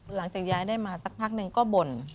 หลังจากย้ายได้มาสักพักหนึ่งก็บ่น